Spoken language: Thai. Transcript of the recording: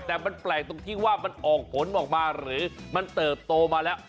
แต่มันแปลกตรงที่ว่ามันออกผลออกมาหรือมันเติบโตมาแล้ว